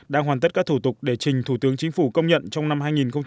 đang hoàn tất các thủ tục để trình thủ tướng chính phủ công nhận trong năm hai nghìn hai mươi